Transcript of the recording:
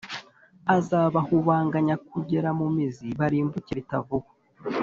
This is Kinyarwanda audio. azabahubanganya kugera mu mizi, barimbuke bitavugwa,